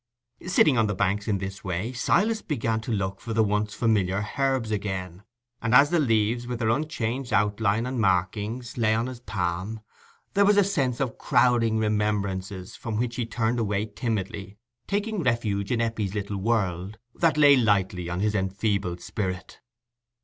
Sitting on the banks in this way, Silas began to look for the once familiar herbs again; and as the leaves, with their unchanged outline and markings, lay on his palm, there was a sense of crowding remembrances from which he turned away timidly, taking refuge in Eppie's little world, that lay lightly on his enfeebled spirit.